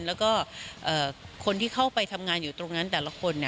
แล้วก็คนที่เข้าไปทำงานอยู่ตรงนั้นแต่ละคน